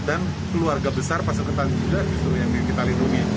dan keluarga besar pasang ketan juga disuruh yang kita lindungi